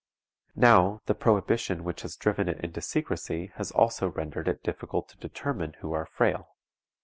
Now, the prohibition which has driven it into secrecy has also rendered it difficult to determine who are frail.